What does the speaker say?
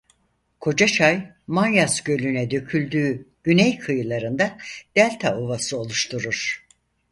Kocaçay Manyas Gölü'ne döküldüğü güney kıyılarında delta ovası oluşturur.